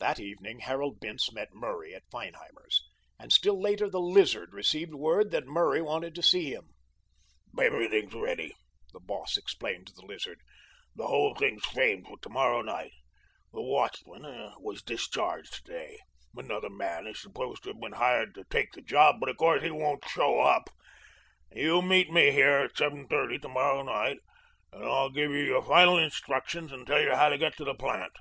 That evening Harold Bince met Murray at Feinheimer's, and still later the Lizard received word that Murray wanted to see him. "Everything's ready," the boss explained to the Lizard. "The whole thing's framed for to morrow night. The watchman was discharged to day. Another man is supposed to have been hired to take the job, but of course he won't show up. You meet me here at seven thirty to morrow night, and I'll give you your final instructions and tell you how to get to the plant."